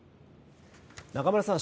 中丸さん。